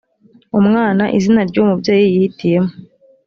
umwana izina ry uwo mubyeyi yihitiyemo